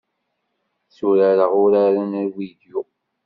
Tturareɣ uraren n uvidyu.